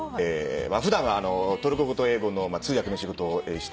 普段はトルコ語と英語の通訳の仕事をしております。